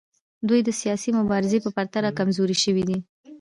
دوی د سیاسي مبارزې په پرتله کمزورې شوي دي